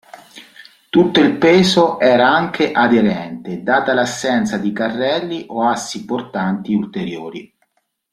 Tutto il peso era anche "aderente" data l'assenza di carrelli o assi portanti ulteriori.